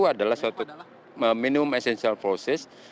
adalah suatu minimum essential proces